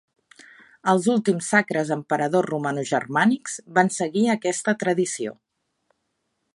Els últims sacres emperadors romanogermànics van seguir aquesta tradició.